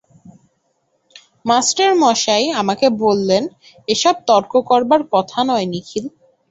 মাস্টারমশায় আমাকে বললেন, এ-সব তর্ক করবার কথা নয় নিখিল।